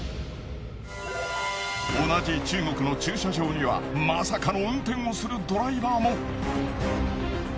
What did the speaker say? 同じ中国の駐車場にはまさかの運転をするドライバーも。